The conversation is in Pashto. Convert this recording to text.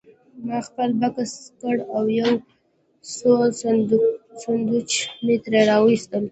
ما خپل بکس خلاص کړ او یو څو سنډوېچ مې ترې راوایستل.